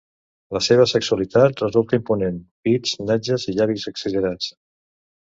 La seva sexualitat resulta imponent: pits, natges i llavis exagerats.